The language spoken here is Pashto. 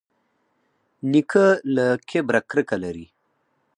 نیکه له کبره کرکه لري.